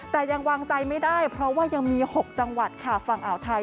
แต่ยังวางใจไม่ได้เพราะว่ายังมี๖จังหวัดค่ะฝั่งอ่าวไทย